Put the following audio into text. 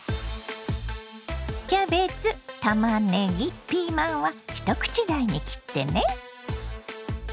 キャベツたまねぎピーマンは一口大に切ってね。